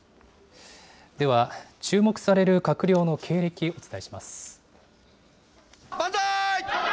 では、注目される閣僚の経歴、お伝えします。